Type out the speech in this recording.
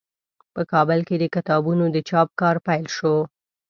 په کابل کې د کتابونو د چاپ کار پیل شو.